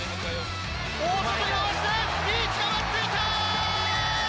大外に流して、リーチが待っていた！